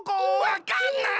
わかんない！